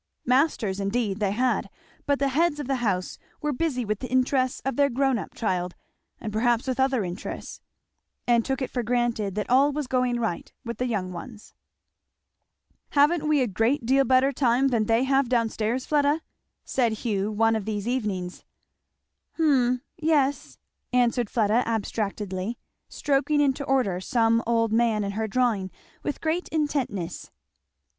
Masters indeed they had; but the heads of the house were busy with the interests of their grown up child, and perhaps with other interests; and took it for granted that all was going right with the young ones. "Haven't we a great deal better time than they have down stairs, Fleda?" said Hugh one of these evenings. "Hum yes " answered Fleda abstractedly, stroking into order some old man in her drawing with great intentness.